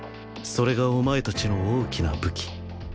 それがお前たちの大きな武器